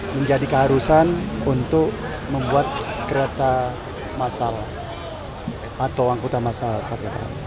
menjadi keharusan untuk membuat kereta masalah atau angkutan masalah